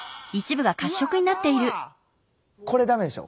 これ駄目でしょ。